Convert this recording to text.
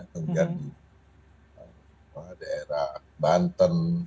kemudian di daerah banten